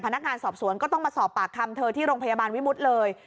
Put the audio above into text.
พนักงานสอบสวนก็ต้องมาสอบปากคำเธอที่โรงพยาบาลวิมุติเลย